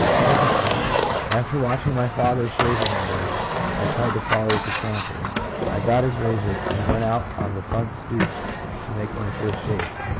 Second case. After watching my father shaving one morning, I tried to follow his example. I got his razor and went out on the front stoop to take my first shave.